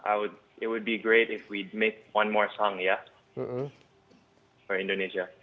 itu akan bagus jika kita membuat satu lagu lagi ya untuk indonesia